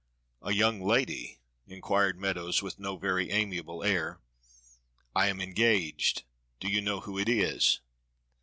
"A young lady?" inquired Meadows with no very amiable air, "I am engaged do you know who it is?"